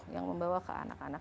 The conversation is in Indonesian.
yang membawa ke anak anak